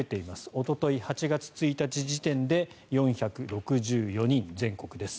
おととい８月１日時点で４６４人、全国です。